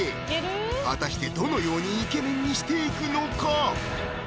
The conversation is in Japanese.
果たしてどのようにイケメンにしていくのか？